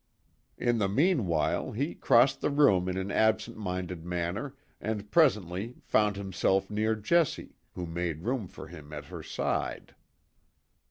In the meanwhile, he crossed the room in an absent minded manner, and presently found himself near Jessie, who made room for him at her side.